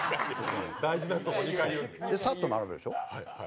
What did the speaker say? さっと並べるでしょう。